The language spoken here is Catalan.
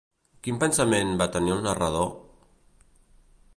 Quin pensament va tenir el narrador?